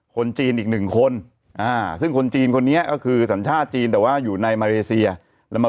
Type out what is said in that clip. คนจีนอีกหนึ่งคนซึ่งคนจีนคนนี้ก็คือสัญชาติจีนแต่ว่าอยู่ในมาเลเซียแล้วมา